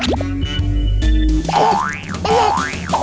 เป็นเหร็ด